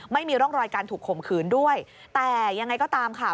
ไม่มีร่องรอยการถูกข่มขืนด้วยแต่ยังไงก็ตามค่ะ